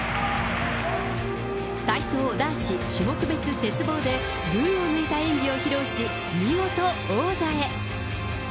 体操男子種目別鉄棒で、群を抜いた演技を披露し、見事、王座へ。